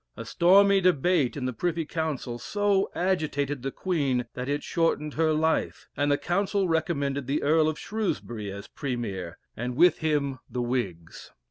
A stormy debate in the Privy Council so agitated the Queen, that it shortened her life, and the Council recommended the Earl of Shrewsbury as Premier, and with him the Whigs.